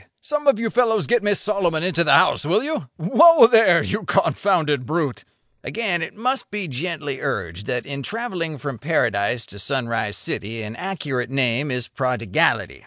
some of you fellows get Miss Solomon into the house, will you? Whoa, there! you confounded brute!" Again must it be gently urged that in travelling from Paradise to Sunrise City an accurate name is prodigality.